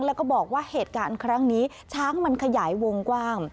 แล้วก็บอกว่าเหตุการณ์ครั้งนี้ช้างมันขยายวงกว้าง